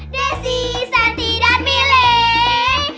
desi senti dan milik